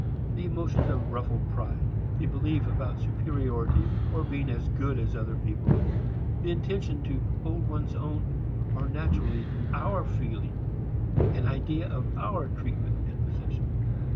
The emotions of ruffled pride, the belief about superiority or being "as good as other people," the intention to hold one's own are naturally our feeling and idea of our treatment and position.